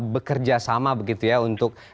bekerja sama begitu ya untuk